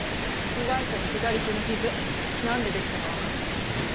被害者の左手の傷なんでできたかわかった。